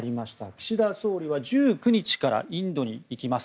岸田総理は１９日からインドに行きます。